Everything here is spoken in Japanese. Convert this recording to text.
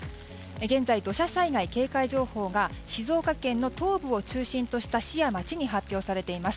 現在、土砂災害警戒情報が静岡県の東部を中心とした市や町に発表されています。